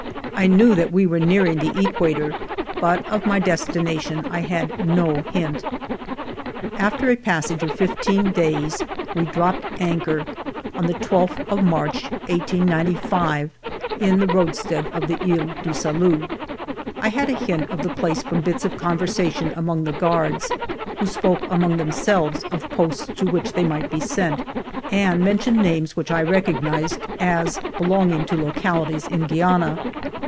I knew that we were nearing the equator, but of my des tination I had no hint. After a passage of fifteen days we dropped anchor, on the I2th of March, 1895, in the road 100 FIVE YEARS OF MY LIFE stead of the lies du Salut. I had a hint of the place from bits of conversation among the guards, who spoke among themselves of posts to which they might be sent, and mentioned names which I recognized as belonging to localities in Guiana.